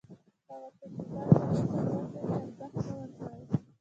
هغه څوک چي ځان تر تاسي لوړ ګڼي؛ ارزښت مه ورکوئ!